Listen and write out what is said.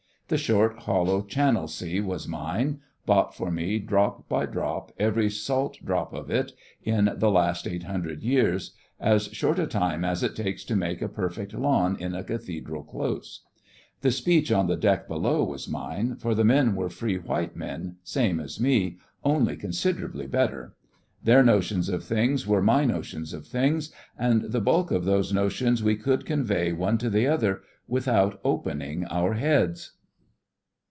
The short, hollow Channel sea was mine—bought for me drop by drop, every salt drop of it, in the last eight hundred years—as short a time as it takes to make a perfect lawn in a cathedral close. The speech on the deck below was mine, for the men were free white men, same as me, only considerably better. Their notions of things were my notions of things, and the bulk of those notions we could convey one to the other without opening our heads.